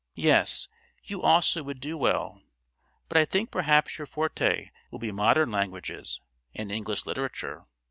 Yes, you also would do well; but I think perhaps your forte will be modern languages and English literature.